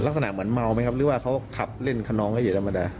แล้วขนาดเหมือนเมาไหมครับหรือว่าเขาขับเล่นคณองให้เย็นประมาณนั้น